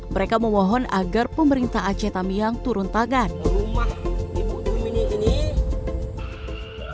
mereka memohon agar pemerintah aceh tamiang turun tangan